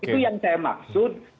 itu yang saya maksud